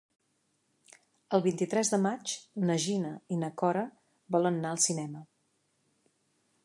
El vint-i-tres de maig na Gina i na Cora volen anar al cinema.